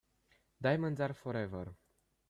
Diamonds are forever.